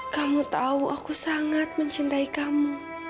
kamu tahu aku sangat mencintai kamu